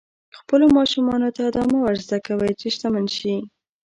خپلو ماشومانو ته دا مه ور زده کوئ چې شتمن شي.